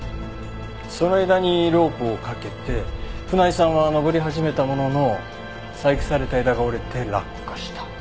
その枝にロープをかけて船井さんは登り始めたものの細工された枝が折れて落下した。